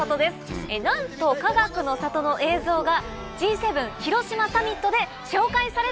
なんとかがくの里の映像がＧ７広島サミットで紹介された⁉